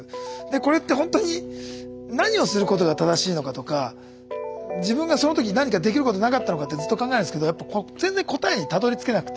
これってほんとに何をすることが正しいのかとか自分がその時何かできることなかったのかってずっと考えるんですけど全然答えにたどりつけなくて。